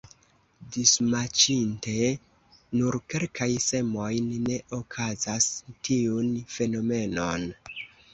Dismaĉinte nur kelkajn semojn ne okazas tiun fenomenon.